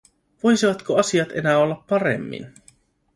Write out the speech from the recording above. Voisivatko asiat enää olla paremmin?